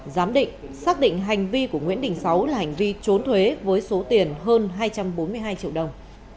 giám định xác định hành vi của nguyễn đình sáu là hành vi trốn thuế với số tiền hơn hai trăm bốn mươi hai triệu đồng